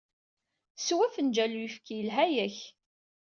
Sew afenǧal n uyefki. Yelha-ak.